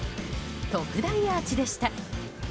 特大アーチでした。